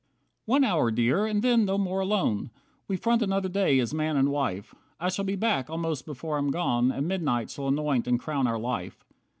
46 One hour, Dear, and then, no more alone. We front another day as man and wife. I shall be back almost before I'm gone, And midnight shall anoint and crown our life."